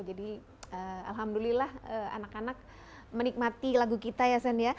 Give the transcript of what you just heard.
jadi alhamdulillah anak anak menikmati lagu kita ya san ya